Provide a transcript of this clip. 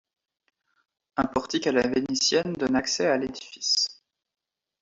Un portique à la vénitienne donne accès à l'édifice.